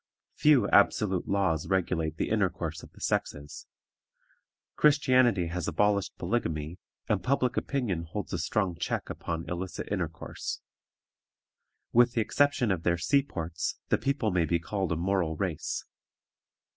Few absolute laws regulate the intercourse of the sexes. Christianity has abolished polygamy, and public opinion holds a strong check upon illicit intercourse. With the exception of their sea ports, the people may be called a moral race.